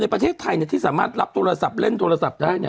ประเทศไทยที่สามารถรับโทรศัพท์เล่นโทรศัพท์ได้เนี่ย